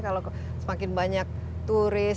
kalau semakin banyak turis